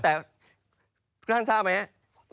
แต่ทุกท่านทราบไหม